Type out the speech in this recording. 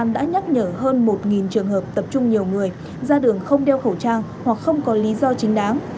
đã nhắc nhở hơn một trường hợp tập trung nhiều người ra đường không đeo khẩu trang hoặc không có lý do chính đáng